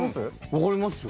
分かりますよ。